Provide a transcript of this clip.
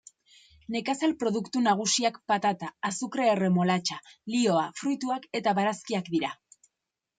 Nekazal produktu nagusiak patata, azukre-erremolatxa, lihoa, fruituak eta barazkiak dira.